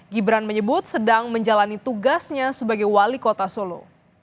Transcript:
gibran menyebut sedang menjalani tugasnya sebagai wali kota solo